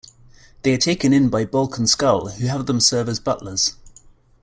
They are taken in by Bulk and Skull, who have them serve as butlers.